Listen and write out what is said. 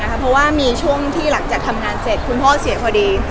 เวลาที่ทำงานเสร็จคุณพ่อเสียพอดี